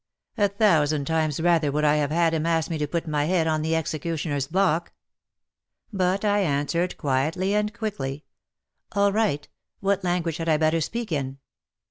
A thousand times rather would I have had him ask me to put my head on the executioner's block ! But I answered quietly and quickly, '* All right, what language had I better speak in?"